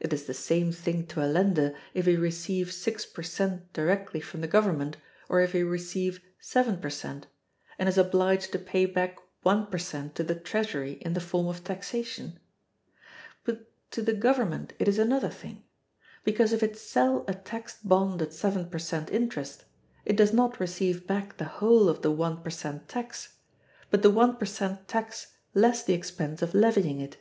It is the same thing to a lender if he receive six per cent directly from the Government, or if he receive seven per cent, and is obliged to pay back one per cent to the treasury in the form of taxation; but to the Government it is another thing, because if it sell a taxed bond at seven per cent interest, it does not receive back the whole of the one per cent tax, but the one per cent tax less the expense of levying it.